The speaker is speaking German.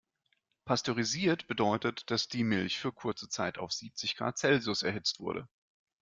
Pasteurisiert bedeutet, dass die Milch für kurze Zeit auf siebzig Grad Celsius erhitzt wurde.